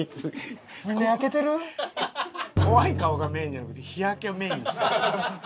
怖い顔がメインじゃなくて日焼けをメインにして。